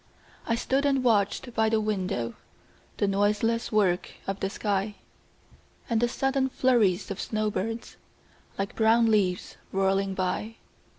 I stood and watched by the window The noiseless work of the sky, And the sudden flurries of snowbirds, Like brown leaves whirling by.